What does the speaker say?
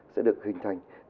sẽ được hình thành